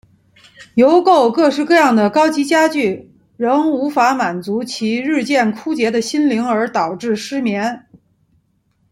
邮购各式各样的高级家具仍无法满足其日渐枯竭的心灵而导致失眠。